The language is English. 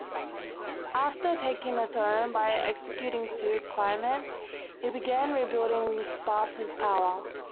After taking the throne by executing two claimants, he began rebuilding Sparta's power.